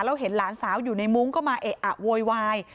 แล้วเห็นหลานสาวอยู่ในมุ้งก็มาเอะอะโวยวาย